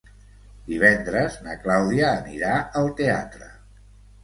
Divendres na Clàudia anirà al teatre.